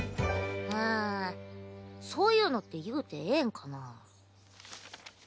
うんそういうのって言うてええんかな？